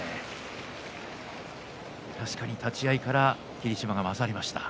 確かに立ち合いから霧島が勝りました。